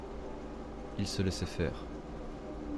Il se laissait faire.